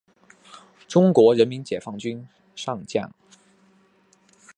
中国人民解放军上将。